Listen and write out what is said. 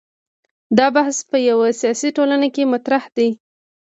دا بحث په یوه سیاسي ټولنه کې مطرح دی.